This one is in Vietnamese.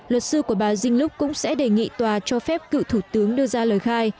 luật sư của bà jing lux cũng sẽ đề nghị tòa cho phép cựu thủ tướng đưa ra lời khai